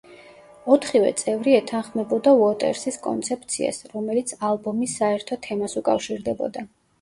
ოთხივე წევრი ეთანხმებოდა უოტერსის კონცეფციას, რომელიც ალბომის საერთო თემას უკავშირდებოდა.